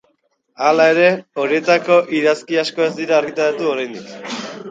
Hala ere, horietako idazki asko ez dira argitaratu oraindik.